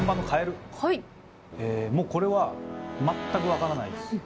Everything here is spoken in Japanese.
もうこれは全く分からないです。